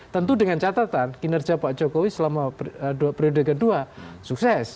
tentu dengan catatan kinerja pak jokowi selama periode kedua sukses